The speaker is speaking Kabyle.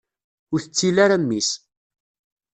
Ur tettil ara mmi-s.